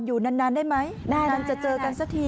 อยู่นานได้ไหมหน้านั้นจะเจอกันสักที